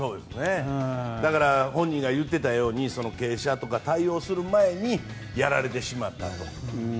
本人が言ってたように傾斜とかに対応する前にやられてしまったと。